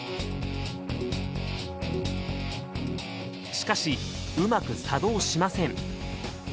しかしうまく作動しません。